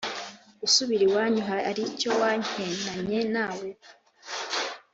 gusubira iwanyu hari icyo wankenanye Na we